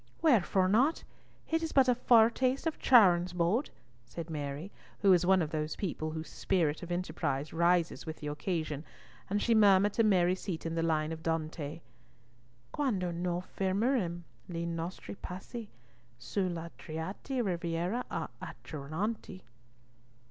"Wherefore not? It is but a foretaste of Charon's boat!" said Mary, who was one of those people whose spirit of enterprise rises with the occasion, and she murmured to Mary Seaton the line of Dante— "Quando noi fermerem li nostri passi Su la triate riviera a' Acheronte."